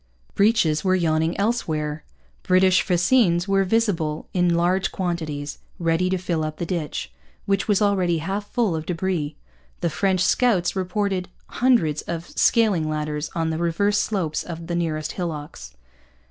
Breaches were yawning elsewhere. British fascines were visible in large quantities, ready to fill up the ditch, which was already half full of debris. The French scouts reported hundreds of scaling ladders on the reverse slopes of the nearest hillocks.